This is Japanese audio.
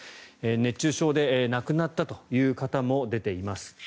熱中症で亡くなったという方も出ています。